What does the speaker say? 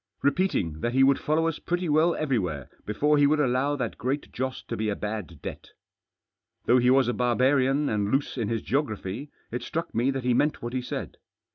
Repeat ing that he would follow us pretty well everywhere before he would allow that Great Joss to be a bad debt. Though he was a barbarian and loose in his geo graphy, it struck me that he meant what he said.